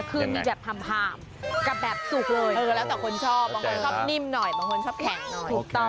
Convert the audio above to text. คือมีแบบทามกับแบบสุกเลย